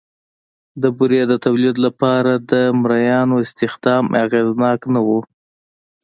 د بورې د تولید لپاره د مریانو استخدام اغېزناک نه و